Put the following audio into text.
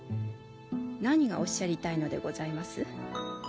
何がおっしゃりたいのでございます？